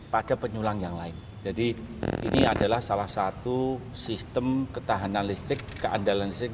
pada penyulang yang lain jadi ini adalah salah satu sistem ketahanan listrik keandalan listrik